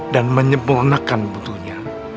dan menyembuanakan budunya